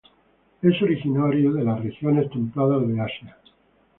Es originario de las regiones templadas de Asia.